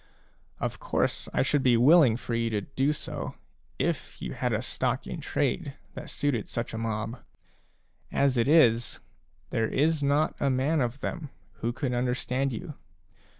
Of course I should be willing for you to do so if you had a stock in trade that suited such a mob ; as it is, there is not a man of them who can understand you.